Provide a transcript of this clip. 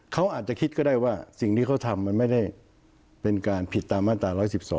เขาอาจจะคิดก็ได้ว่าสิ่งที่เขาทำมันไม่ได้เป็นการผิดตามมาตรา๑๑๒